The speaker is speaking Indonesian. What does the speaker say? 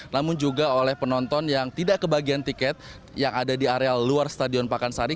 namun juga oleh penonton yang tidak kebagian tiket yang ada di area luar stadion pakansari